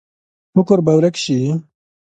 فقر به ورک شي؟